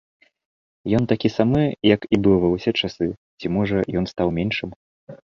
Ён такі самы, як і быў ва ўсе часы, ці, можа, ён стаў меншым?